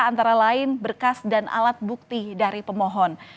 antara lain berkas dan alat bukti dari pemohon